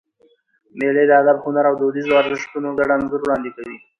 مېلې د ادب، هنر او دودیزو ارزښتونو ګډ انځور وړاندي کوي.